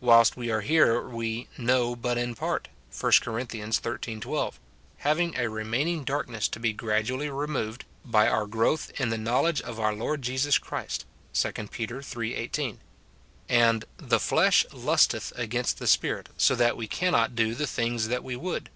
Whilst we are here we "know but in part," 1 Cor. xiii. 12, having a remaining darkness to be gradually removed by our " growth in the knowledge of our Lord Jesus Christ," 2 Pet. iii. 18 ; and " the flesh lusteth against the Spirit, so that we can not do the things that we would," Gal.